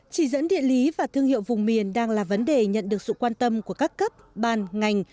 chỉ dẫn địa lý và thương hiệu vùng miền đang là vấn đề nhận được sự quan tâm của các cấp ban ngành